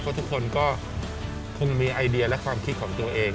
เพราะทุกคนก็คงมีไอเดียและความคิดของตัวเอง